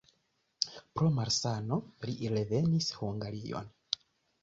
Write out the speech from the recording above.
Pro malsano li revenis Hungarion.